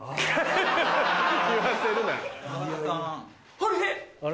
あれ？